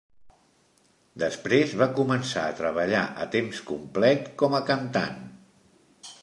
Després va començar a treballar a temps complet com a cantant.